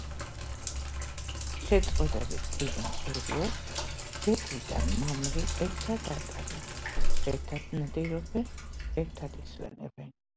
შეწყვილების წინა პერიოდს მდედრი და მამრი ერთად ატარებს, ერთად ნადირობენ, ერთად ისვენებენ.